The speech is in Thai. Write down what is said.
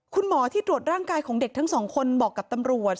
คุณหมอที่ตรวจร่างกายของเด็กทั้งสองคนบอกกับตำรวจ